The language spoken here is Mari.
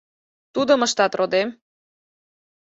Тудым ыштат, родем.